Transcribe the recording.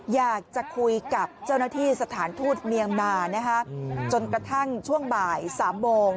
อยากจะคุยกับเจ้าหน้าที่สถานทูตเมียนมานะคะจนกระทั่งช่วงบ่าย๓โมง